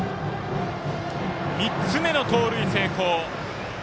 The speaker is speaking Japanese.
３つ目の盗塁成功。